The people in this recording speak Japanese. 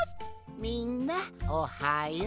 みんなおはよう。